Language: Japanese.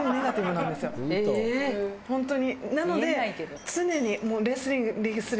なので常に。